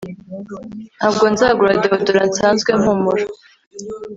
ntabwo nzagura deodorant nsanzwe mpumura